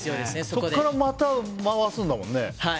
そこからまた回すんだもんね。